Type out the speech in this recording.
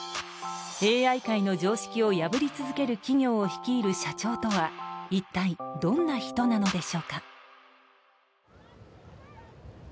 ＡＩ界の常識を破り続ける企業を率いる社長とは一体どんな人なのでしょうか。